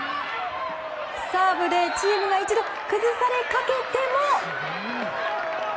サーブでチームが一度崩されかけても。